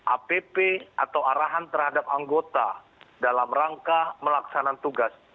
app atau arahan terhadap anggota dalam rangka melaksanakan tugas